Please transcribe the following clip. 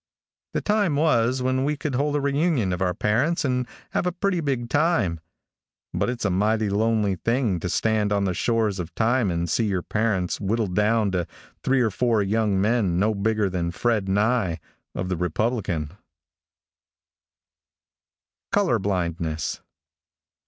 The time was when we could hold a reunion of our parents and have a pretty big time, but it's a mighty lonely thing to stand on the shores of time and see your parents whittled down to three or four young men no bigger than Fred Aye, of the Republican. COLOR BLINDNESS.